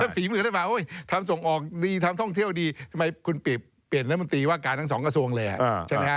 ฝีมือได้มาทำส่งออกดีทำท่องเที่ยวดีทำไมคุณเปลี่ยนรัฐมนตรีว่าการทั้งสองกระทรวงเลยใช่ไหมฮะ